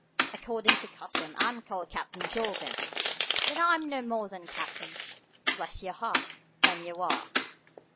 According to custom I am called Captain Jorgan, but I am no more a captain, bless your heart, than you are."